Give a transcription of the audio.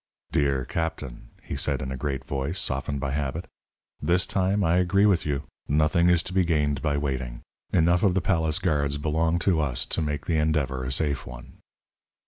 "Dear captain," he said, in a great voice, softened by habit, "this time I agree with you. Nothing is to be gained by waiting. Enough of the palace guards belong to us to make the endeavour a safe one."